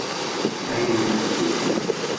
Ay imehtufen!